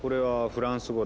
フランス語？